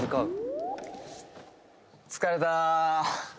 疲れた。